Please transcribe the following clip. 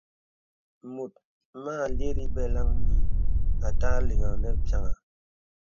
Mùt mà àlìrī beləŋghi à tà àleŋ nə pīaŋha.